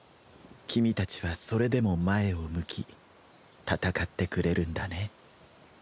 君たちはそれでも前を向き戦ってくれるんだね。